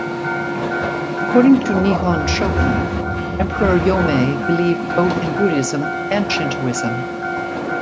According to Nihon Shoki, Emperor Yomei believed both in Buddhism and Shintoism.